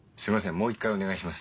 もう１回お願いします。